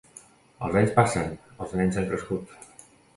Els anys passen, els nens han crescut.